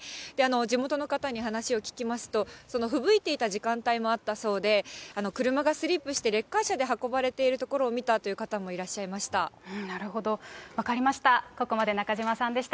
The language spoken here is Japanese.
地元の方に話を聞きますと、ふぶいていた時間帯もあったそうで、車がスリップして、レッカー車で運ばれているところを見たって方もいらっしゃいました。